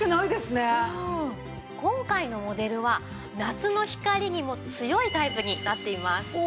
今回のモデルは夏の光にも強いタイプになっています。